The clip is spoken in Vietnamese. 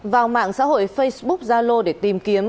vào mạng xã hội facebook zalo để tìm kiếm